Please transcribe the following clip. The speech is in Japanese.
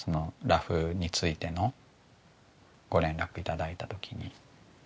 ラフについてのご連絡頂いた時に。